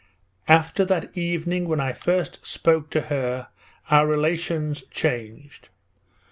'After that evening when I first spoke to her our relations changed.